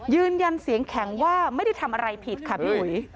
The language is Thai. ยืนยันเสียงแข็งว่าไม่ได้ทำอะไรผิดค่ะพี่อุ๋ย